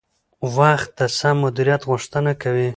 وخت د سم مدیریت غوښتنه کوي